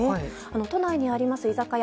都内にあります居酒屋